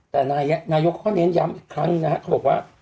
แต่นายกเขาก็เน้นย้ำอีกครั้งนะฮะเขาบอกว่า